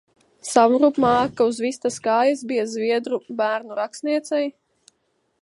Savrupmāka uz vistas kājas bija zviedru bērnu rakstniecei.